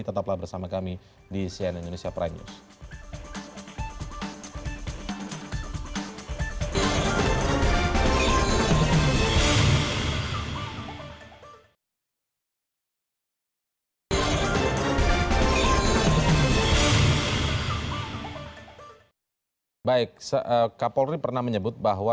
tetaplah bersama kami di cnn indonesia prime news